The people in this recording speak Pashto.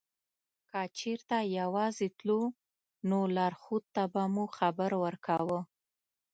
که چېرته یوازې تلو نو لارښود ته به مو خبر ورکاوه.